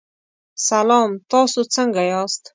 سلام، تاسو څنګه یاست؟